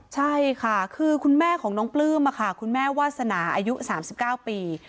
ใช่ค่ะคือคุณแม่ของน้องปลื้มคุณแม่วาสนาอายุ๓๙ปี